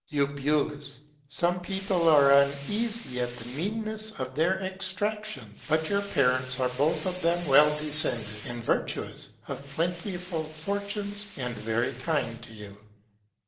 Eu. Some People are uneasy at the Meanness of their Extraction, but your Parents are both of them well descended, and virtuous, of plentiful Fortunes, and very kind to you.